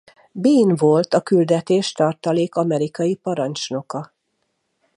Bean volt a küldetés tartalék amerikai parancsnoka.